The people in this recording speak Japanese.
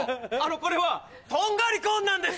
これはとんがりコーンなんです！